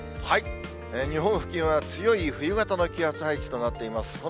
日本付近は強い冬型の気圧配置となっています。